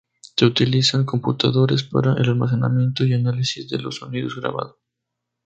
Se utilizan computadores para el almacenamiento y análisis de los sonidos grabado.